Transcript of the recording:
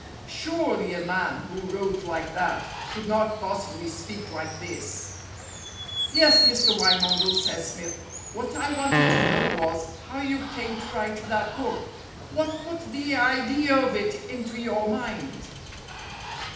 Surely a man who wrote like that could not possibly speak like this. "Yes, Mr. Wymondel," said Smith. "What I wanted to know was how you came to write that book. What put the idea of it into your mind?"